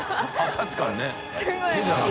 確かにね。